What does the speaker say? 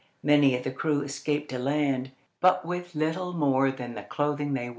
Many of the crew escaped to land, but with little more than the clothing they wore.